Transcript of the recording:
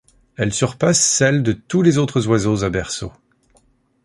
Elle surpasse celle de tous les autres oiseaux à berceaux.